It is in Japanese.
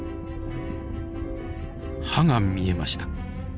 歯が見えました。